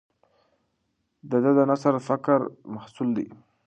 د ده نثر د فکر محصول دی.